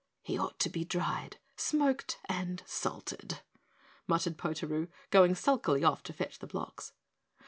"He ought to be dried, smoked and salted," muttered Potaroo, going sulkily off to fetch the blocks.